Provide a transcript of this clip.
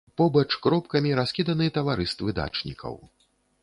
Побач кропкамі раскіданы таварыствы дачнікаў.